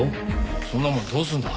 そんなもんどうするんだ？